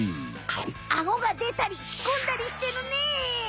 アゴがでたり引っ込んだりしてるね！